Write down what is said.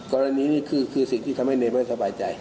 กรณีนี้คือสิ่งที่ทำให้เนไม่สบายใจ